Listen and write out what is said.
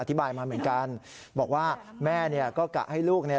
อธิบายมาเหมือนกันบอกว่าแม่เนี่ยก็กะให้ลูกเนี่ย